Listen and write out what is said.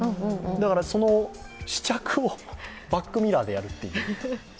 だから、その試着をバックミラーでやるという。